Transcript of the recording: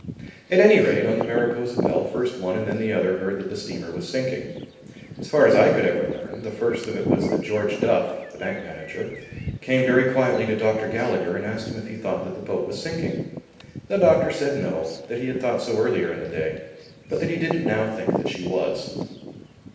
At any rate, on the Mariposa Belle first one and then the other heard that the steamer was sinking. As far as I could ever learn the first of it was that George Duff, the bank manager, came very quietly to Dr. Gallagher and asked him if he thought that the boat was sinking. The doctor said no, that he had thought so earlier in the day but that he didn't now think that she was.